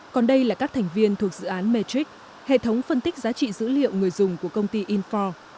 còn đây là các thành viên thuộc dự án matrix hệ thống phân tích giá trị dữ liệu người dùng của công ty info